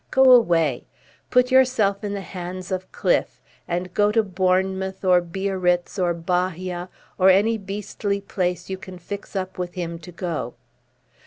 Go away. Put yourself in the hands of Cliffe, and go to Bournemouth, or Biarritz, or Bahia, or any beastly place you can fix up with him to go to.